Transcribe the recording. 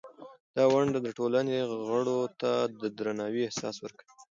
دا ونډه د ټولنې غړو ته د درناوي احساس ورکوي.